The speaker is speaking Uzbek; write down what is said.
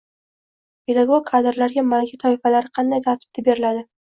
Pedagog kadrlarga malaka toifalari qanday tartibda beriladi?